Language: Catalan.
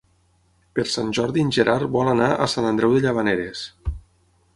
Per Sant Jordi en Gerard vol anar a Sant Andreu de Llavaneres.